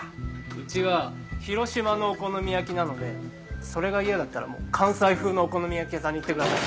うちは広島のお好み焼きなのでそれが嫌だったら関西風のお好み焼き屋さんに行ってください！